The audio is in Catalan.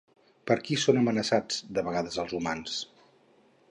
Per qui són amenaçats de vegades els humans?